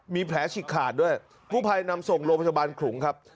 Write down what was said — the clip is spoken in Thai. มีแผลฉีกขาดด้วยผู้ภัยนำส่งโรงพยาบาลขลุงครับ